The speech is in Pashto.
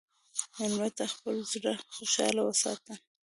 مېلمه ته خپل زړه خوشحال وساته.